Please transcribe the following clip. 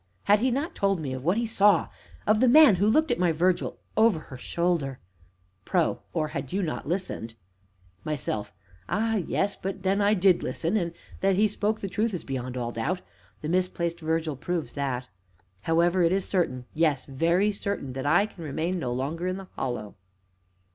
Had he not told me of what he saw of the man who looked at my Virgil over her shoulder PRO. Or had you not listened. MYSELF. Ah, yes! but then, I did listen, and that he spoke the truth is beyond all doubt; the misplaced Virgil proves that. However, it is certain, yes, very certain, that I can remain no longer in the Hollow.